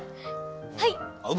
はい。